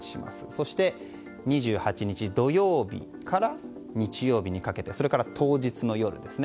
そして２８日土曜日から日曜日にかけてそれから当日の夜。